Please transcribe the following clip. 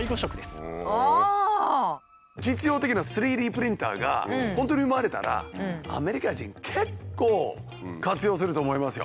実用的な３Ｄプリンターが本当に生まれたらアメリカ人結構活用すると思いますよ。